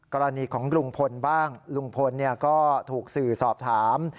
กรณีของลุงพลบ้างลุงพลก็ถูกสื่อสอบถาม